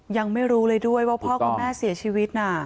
ยังไม่รู้เลยด้วยว่าพ่อคุณแม่เสียชีวิตน่ะ